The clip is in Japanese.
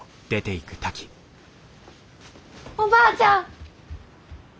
おばあちゃん！